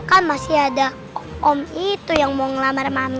kan masih ada om itu yang mau ngelamar mami